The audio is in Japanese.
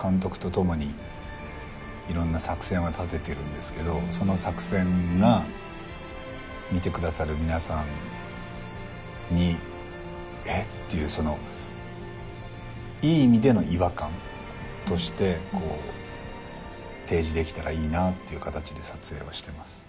監督と共にいろんな作戦は立ててるんですけどその作戦が見てくださる皆さんに「えっ？」っていういい意味での違和感として提示できたらいいなっていう形で撮影はしてます。